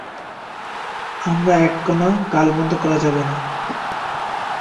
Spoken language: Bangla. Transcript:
আমরা এক কোনো গাল-মন্দ করা যাবে না।